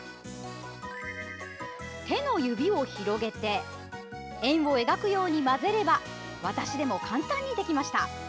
手の指を広げて円を描くように混ぜれば私でも簡単にできました。